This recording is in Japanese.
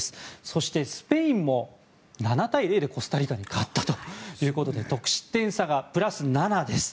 そして、スペインも７対０でコスタリカに勝ったということで得失点差がプラス７です。